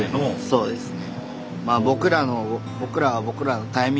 そうですね。